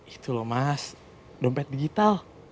itu loh mas dompet digital